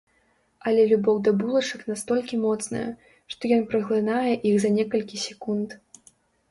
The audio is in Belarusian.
Але любоў да булачак настолькі моцная, што ён праглынае іх за некалькі секунд.